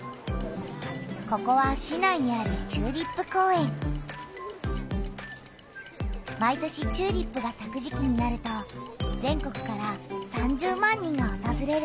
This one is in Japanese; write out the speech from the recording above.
ここは市内にある毎年チューリップがさく時期になると全国から３０万人がおとずれる。